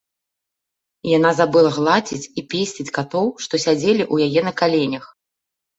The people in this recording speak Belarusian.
Яна забыла гладзіць і песціць катоў, што сядзелі ў яе на каленях.